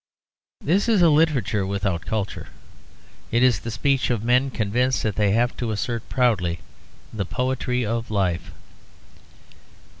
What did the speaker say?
This is literature without culture; it is the speech of men convinced that they have to assert proudly the poetry of life.